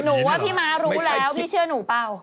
ว่าพี่ม้ารู้แล้วพี่เชื่อหนูเปล่า